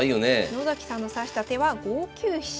野崎さんの指した手は５九飛車。